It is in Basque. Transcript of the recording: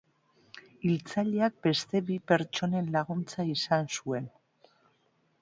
Hiltzaileak beste bi pertsonen laguntza izan zuen.